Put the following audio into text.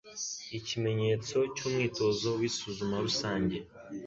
Ikimenyetso cy'umwitozo w'isuzuma rusange.